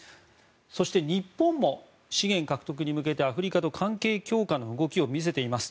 そして、日本も資源獲得に向けてアフリカと関係強化の動きを見せています。